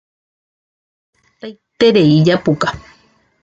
Hetaiterei japuka.